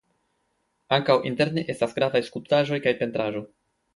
Ankaŭ interne estas gravaj skulptaĵoj kaj pentraĵo.